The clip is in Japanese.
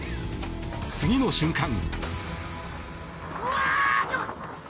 次の瞬間。